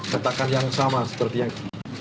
katakan yang sama seperti yang